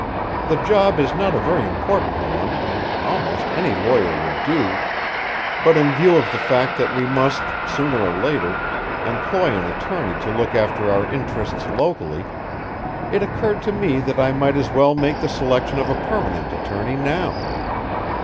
The job is not a very important one and almost any lawyer would do, but in view of the fact that we must, sooner or later, employ an attorney to look after our interests locally, it occurred to me that I might as well make the selection of a permanent attorney now.